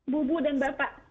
bubu dan bapak